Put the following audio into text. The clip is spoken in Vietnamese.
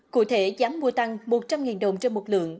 cụ thể giá mua tăng một trăm linh đồng cho một lượng